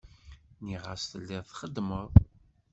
Nniɣ-as telliḍ txeddmeḍ.